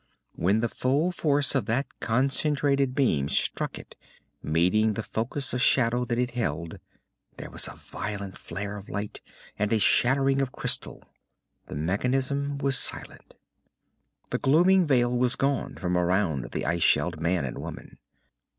When the full force of that concentrated beam struck it, meeting the focus of shadow that it held, there was a violent flare of light and a shattering of crystal. The mechanism was silent. The glooming veil was gone from around the ice shelled man and woman.